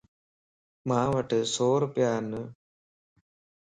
ماوٽ سوروپيا ان